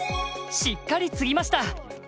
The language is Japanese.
しっかりツギました。